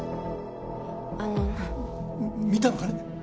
あの見たのかね？